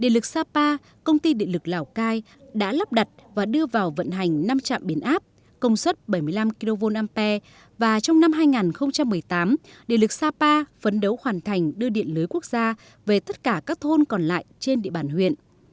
điện lực sapa công ty điện lực lào cai đã lắp đặt và đưa vào vận hành năm trạm biến áp công suất bảy mươi năm kv nam pe và trong năm hai nghìn một mươi tám điện lực sapa phấn đấu hoàn thành đưa điện lưới quốc gia về tất cả các thôn còn lại trên địa bàn huyện